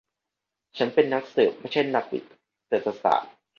ฉันเป็นนักสืบ ไม่ใช่นักไม่ใช่นักเศรษฐศาสตร์